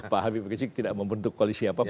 pak habib rizik tidak membentuk koalisi apapun